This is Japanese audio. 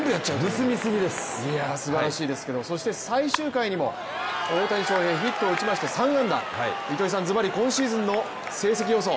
すばらしいですけども最終回にも大谷翔平ヒットを打ちまして３安打糸井さん、ずばり今シーズンの成績予想。